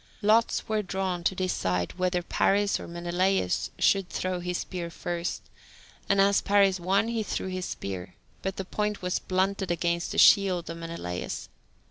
Lots were drawn to decide whether Paris or Menelaus should throw his spear first, and, as Paris won, he threw his spear, but the point was blunted against the shield of Menelaus.